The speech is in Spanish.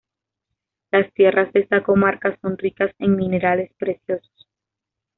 Las tierras de esta comarca son ricas en minerales preciosos.